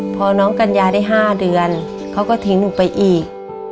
พอน้องกัญญาได้๕เดือนเขาก็ทิ้งหนูไปอีก